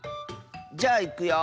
じゃあいくよ。